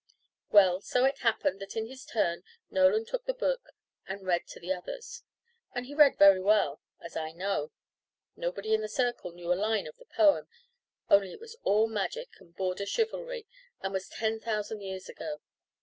Well, so it happened that in his turn Nolan took the book and read to the others; and he read very well, as I know. Nobody in the circle knew a line of the poem, only it was all magic and Border chivalry, and was ten thousand years ago.